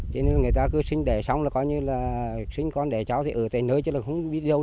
cho nên là người ta cứ sinh đẻ xong là coi như là sinh con đẻ cháu thì ở tại nơi chứ là không biết đâu